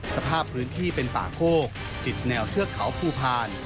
สภาพพื้นที่เป็นป่าโคกติดแนวเทือกเขาภูพาล